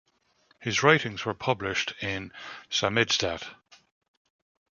His writings were published in samizdat.